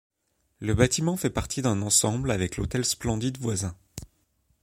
Le bâtiment fait partie d'un ensemble avec l'Hôtel Splendid voisin.